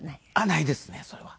ないですねそれは。